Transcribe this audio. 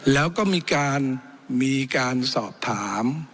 แล้วก็มีการสอบถาม